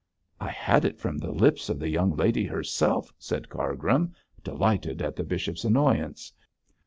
'I had it from the lips of the young lady herself,' said Cargrim, delighted at the bishop's annoyance.